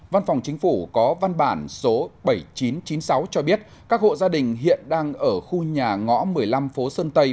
văn phòng chính phủ có văn bản số bảy nghìn chín trăm chín mươi sáu cho biết các hộ gia đình hiện đang ở khu nhà ngõ một mươi năm phố sơn tây